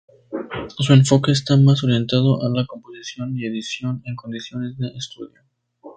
Su enfoque está más orientado a la composición y edición en condiciones de estudio.